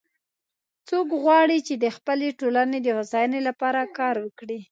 څوک غواړي چې د خپلې ټولنې د هوساینی لپاره کار وکړي